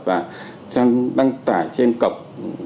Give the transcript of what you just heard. và đăng tải trên cổng